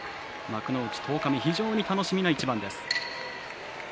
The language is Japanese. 十日目非常に楽しみな一番です。